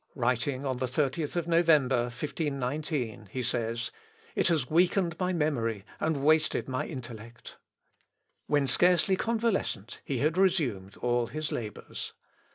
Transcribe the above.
Writing on the 30th November, 1519, he says, "It has weakened my memory and wasted my intellect." When scarcely convalescent, he had resumed all his labours.